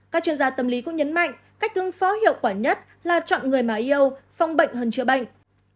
các chuyên gia tâm lý cũng nhấn mạnh cách ứng phó hiệu quả nhất là chọn người mà yêu phong bệnh hơn chữa bệnh